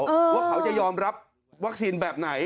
ว่าเขาจะยอมรับวัคซีนแบบไหน